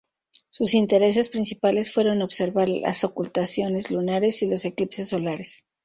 Sus intereses principales fueron observar las ocultaciones lunares y los eclipses solares.